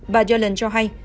bà yellen cho hay